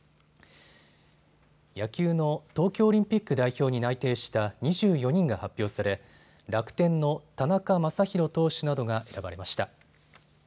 野球の東京オリンピック代表に内定した２４人が発表され楽天の田中将大投手などが選ばれました。